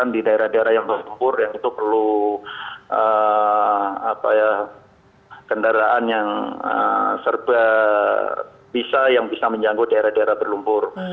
di daerah daerah yang bertempur yang itu perlu kendaraan yang serba bisa yang bisa menjangkau daerah daerah berlumpur